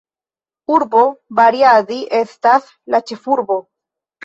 Urbo Bariadi estas la ĉefurbo.